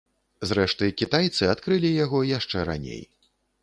Зрэшты, кітайцы адкрылі яго яшчэ раней.